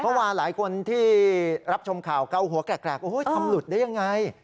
เพราะว่าหลายคนที่รับชมข่าวเก้าหัวแกรกโอ้โหทำหลุดได้ยังไง